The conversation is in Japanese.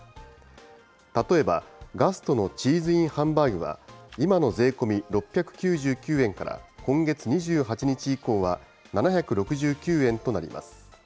例えばガストのチーズＩＮハンバーグは、今の税込み６９９円から今月２８日以降は７６９円となります。